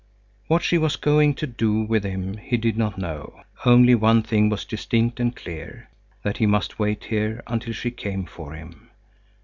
What she was going to do with him he did not know. Only one thing was distinct and clear; that he must wait here until she came for him.